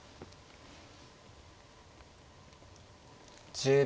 １０秒。